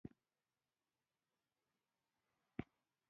احمد هيڅ سترګې نه لري.